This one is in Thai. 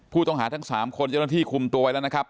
ผู้ต้องหาทั้งสามคนจะต้องที่คุมตัวไว้แล้วนะครับ